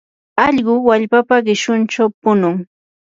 allqu wallpapa qishunchaw punun.